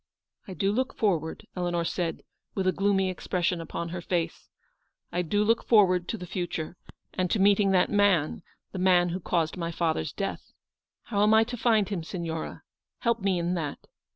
"I do look forward," Eleanor said, with a gloomy expression upon her face. " I do look forward to the future ; and to meeting that man, the man who caused my father's death. How am I to find him, Signora ? Help me in that.